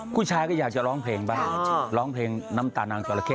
ผู้ชายก็อยากจะร้องเพลงบ้างร้องเพลงน้ำตานางจราเข้